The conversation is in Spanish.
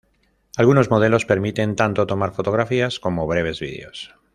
Algunos modelos permiten tanto tomar fotografías como breves videos.